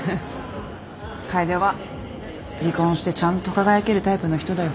楓は離婚してちゃんと輝けるタイプの人だよ。